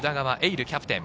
琉キャプテン。